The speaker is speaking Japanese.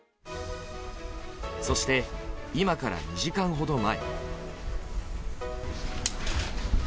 そして、今から２時間ほど前。